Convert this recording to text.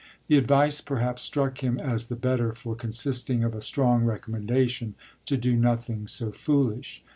The advice, perhaps struck him as the better for consisting of a strong recommendation to do nothing so foolish.